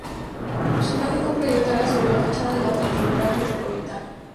Su imagen fue proyectada sobre la fachada de la Catedral Metropolitana.